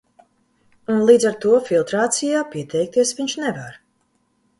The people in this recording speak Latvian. Līdz ar to filtrācijā pieteikties viņš nevar.